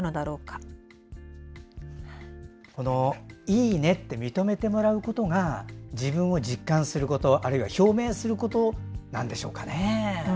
「いいね！」って認めてもらうことが自分を実感することあるいは表明することなんでしょうかね。